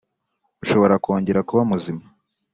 Ushobora kongera kuba muzima